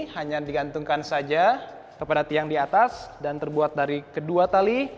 hanya digantungkan saja kepada tiang di atas dan terbuat dari kedua tali